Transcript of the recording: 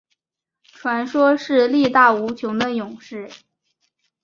传说是力大无穷的勇士。